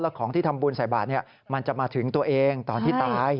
ของที่ทำบุญใส่บาทมันจะมาถึงตัวเองตอนที่ตาย